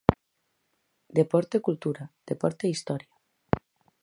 Deporte e cultura, deporte e historia.